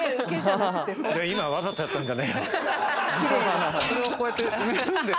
今、わざとやったんじゃないよ。